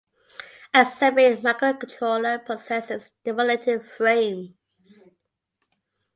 A separate microcontroller processes demodulated frames.